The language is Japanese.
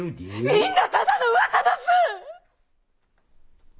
みんなただの噂だす！